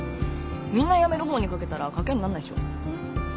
みんな辞める方に賭けたら賭けになんないっしょ。